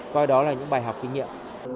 coi đó là những bài học kinh nghiệm